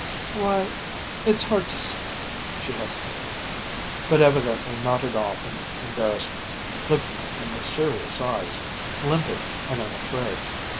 "Why it's hard to say " she hesitated, but evidently not at all in embarrassment, looking at him with serious eyes, limpid and unafraid.